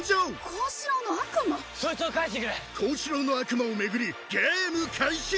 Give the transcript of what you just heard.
幸四郎の悪魔を巡りゲーム開始！